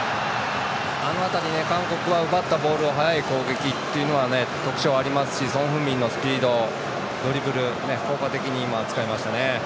あの辺り、韓国は奪ったボールを速い攻撃っていうのは特徴ありますしソン・フンミンのスピード、ドリブル効果的に今、使いましたね。